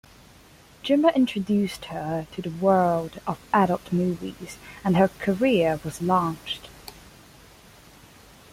Jammer introduced her to the world of adult movies and her career was launched.